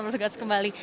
salam sejahtera kembali